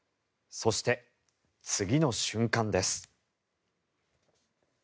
そして、次の瞬間です。